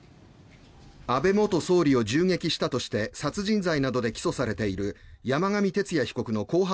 安倍元総理を銃撃したとして殺人罪などで起訴されている山上徹也被告の公判